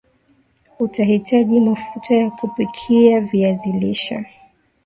Utahitaji mafuta ya kupikia viazi lishe